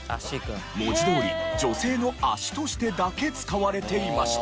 文字どおり女性の足としてだけ使われていました。